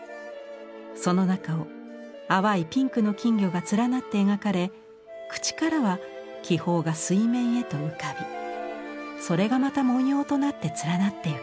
その中を淡いピンクの金魚が連なって描かれ口からは気泡が水面へと浮かびそれがまた文様となって連なっていく。